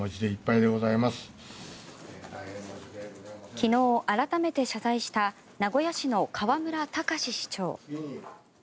昨日、改めて謝罪した名古屋市の河村たかし市長。